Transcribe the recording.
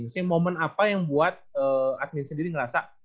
maksudnya momen apa yang buat admin sendiri ngerasa